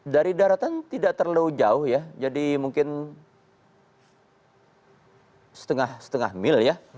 dari daratan tidak terlalu jauh ya jadi mungkin setengah setengah mil ya